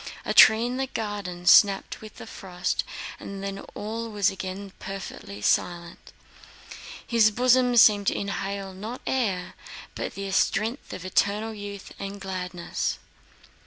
A tree in the garden snapped with the frost, and then all was again perfectly silent. His bosom seemed to inhale not air but the strength of eternal youth and gladness.